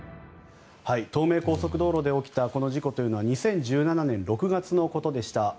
東名高速道路で起きたこの事故というのは２０１７年６月のことでした。